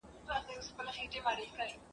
څه عجیبه غوندي لار ده نه هوسا لري نه ستړی ..